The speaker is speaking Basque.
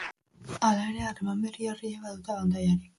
Hala ere, harreman berri horiek badute abantailarik.